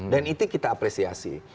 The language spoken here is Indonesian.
dan itu kita apresiasi